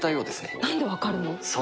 なんで分かるの？